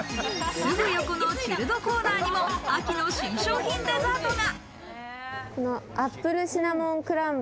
すぐ横のチルドコーナーにも秋の新商品デザートが。